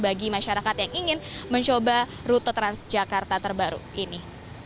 bagi masyarakat yang ingin mencoba rute transjakarta terbaru ini